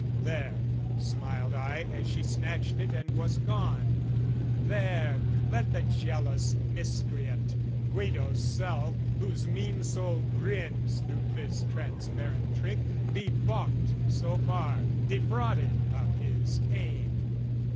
"There!" smiled I as she snatched it and was gone "There, let the jealous miscreant, Guido's self, "Whose mean soul grins through this transparent trick, "Be baulked so far, defrauded of his aim!